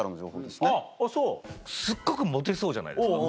すっごくモテそうじゃないですか。